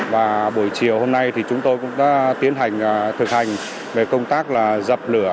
và buổi chiều hôm nay thì chúng tôi cũng đã tiến hành thực hành về công tác là dập lửa